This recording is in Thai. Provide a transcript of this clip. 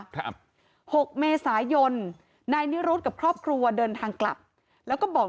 ครับหกเมษายนนายนิรุธกับครอบครัวเดินทางกลับแล้วก็บอก